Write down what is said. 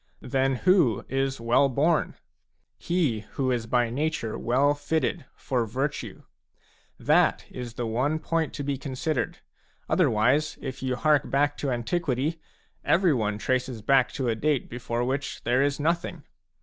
Then who is well born ? _J He who is by nature well fitted for virtue. That is the one point to be considered; otherwise, if you hark back to antiquity, every one traces back to a date before which there is nothing.